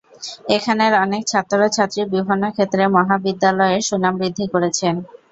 এখানের অনেক ছাত্র ছাত্রী বিভিন্ন ক্ষেত্রে মহাবিদ্যালয়ের সুনাম বৃদ্ধি করেছেন।